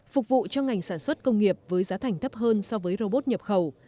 phục vụ cho ngành sản xuất công nghiệp với giá thành thấp hơn so với robot nhập khẩu